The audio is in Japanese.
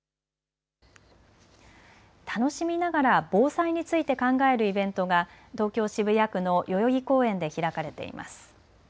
楽しみながら防災について考えるイベントが東京渋谷区の代々木公園で開かれています。